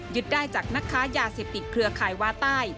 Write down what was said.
ได้จากนักค้ายาเสพติดเครือข่ายวาใต้